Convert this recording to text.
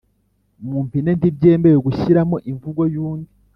mu mpine ntibyemewe gushyiramo imvugo y’undi